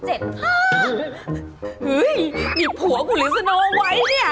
เฮ้ยมีผัวกูหรือสโนไวท์เนี่ย